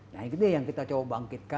nah itu yang kita coba bangkitkan